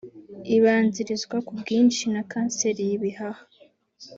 Ibanzirizwa ku bwinshi na kanseri y’ibihaha